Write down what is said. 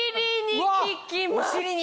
お尻に？